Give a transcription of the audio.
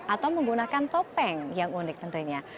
atau menggunakan topeng yang unik tentunya